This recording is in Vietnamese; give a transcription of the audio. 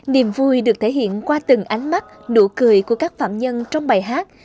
niềm vui được thể hiện qua từng ánh mắt nụ cười của các phạm nhân trong bài hát